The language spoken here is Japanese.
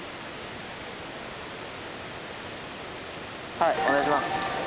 はいお願いします。